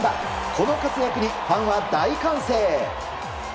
この活躍にファンは大歓声。